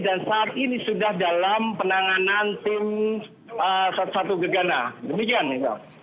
dan saat ini sudah dalam penanganan tim satu satu gegana demikian iba